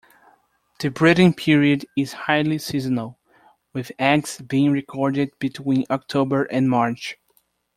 The breeding period is highly seasonal, with eggs being recorded between October and March.